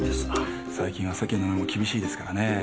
最近は世間の目も厳しいですからね。